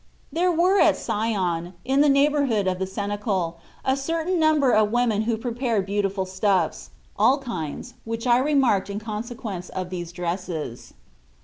There were at Sion, in the neighbour hood of the cenacle, a certain number of women who prepared beautiful stuffs Xorfc Jesus Cbrist n all kinds which I remarked in conse quence of these dresses.